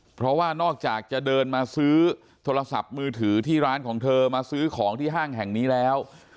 เพราะว่านอกจากจะเดินมาซื้อโทรศัพท์มือถือที่ร้านของเธอมาซื้อของที่ห้างแห่งนี้แล้ว